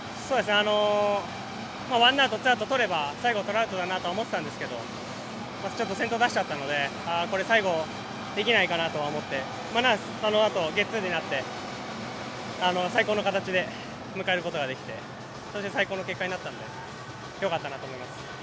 １アウト、２アウト取れば最後、トラウトだなとは思ってたんですけどちょっと先頭、出しちゃったので最後、できないかなと思ってそのあとゲッツーになって最高の形で迎えることができてそして最高の結果になったのでよかったなと思います。